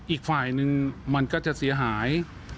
อีกฝ่ายนึงมันก็จะเสียหาย